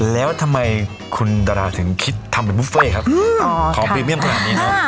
แล้วทำไมคุณดาราถึงคิดทำเป็นบุฟเฟ่ครับของพรีเมียมขนาดนี้เนอะ